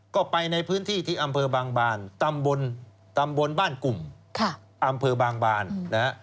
ก็ไปในพื้นที่ที่อำเภอบางบานตำบลตำบลบ้านกลุ่มอำเภอบางบานนะฮะ